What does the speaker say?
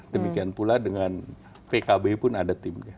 demikian pula dengan pkb pun ada timnya